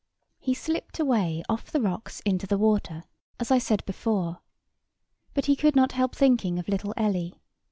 He slipped away off the rocks into the water, as I said before. But he could not help thinking of little Ellie.